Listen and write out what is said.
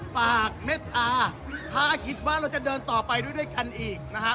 ฝากเม็ดอาถ้าคิดว่าเราจะเดินต่อไปด้วยกันอีกนะฮะ